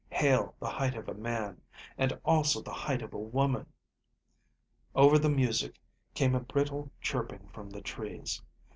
Hail the height of a man, and also the height of a woman._" Over the music came a brittle chirping from the trees.